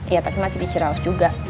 iya tapi masih di cirehaus juga